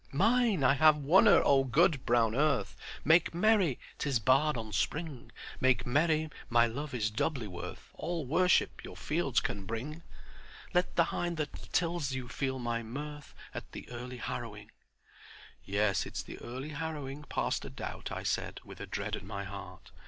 'Mine! I have won her O good brown earth, Make merry! 'Tis bard on Spring; Make merry; my love is doubly worth All worship your fields can bring! Let the hind that tills you feel my mirth At the early harrowing." "Yes, it's the early harrowing, past a doubt," I said, with a dread at my heart.